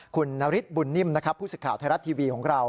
คุณนาริสบุญนิมผู้ศึกข่าวไทยรัฐทีวีของเรา